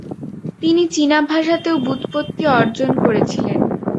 তিনি চিনাভাষাতেও ব্যুৎপত্তি অর্জন করেছিলেন।